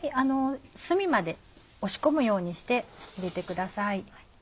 隅まで押し込むようにして入れてください。